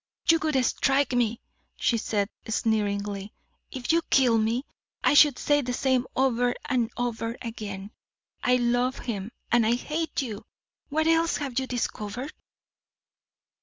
"You would strike me!" she said, sneeringly. "If you killed me, I should say the same over and over again; I love him and I hate you. What else have you discovered?"